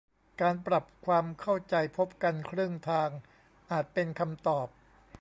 การปรับความเข้าใจพบกันครึ่งทางอาจเป็นคำตอบ